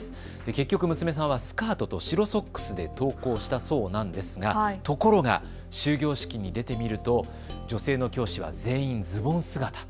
結局、娘さんはスカートと白ソックスで登校したそうなんですが、ところが終業式に出てみると女性の教師は全員ズボン姿。